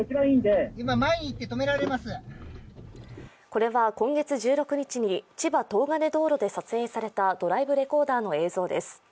これは今月１５日に千葉東金道路で撮影されたドライブレコーダーの映像です。